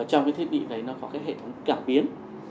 trong thiết bị này có hệ thống cảm biến